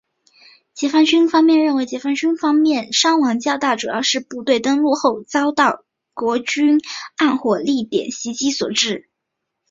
解放军方面认为解放军方面伤亡较大主要是部队登陆后经常遭到国军暗火力点袭击所致。